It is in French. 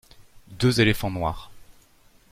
Deux éléphants noirs.